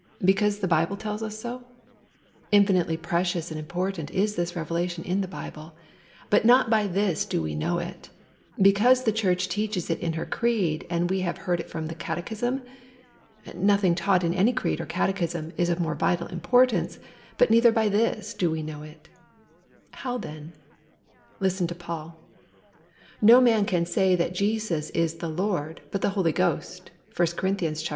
Because the Bible tells us so? Infinitely precious and important is this revelation in the Bible; but not by this do we know it. Because the Church teaches it in her creed, and we have heard it from the catechism? Nothing taught in any creed or catechism is of more vital importance; but neither by this do we know it. How then? Listen to Paul: "No man can say that Jesus is the Lord, but by the Holy Ghost" (I Cor.